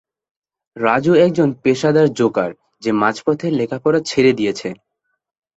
রাজু একজন পেশাদার-জোকার যে মাঝপথে লেখাপড়া ছেড়ে দিয়েছে।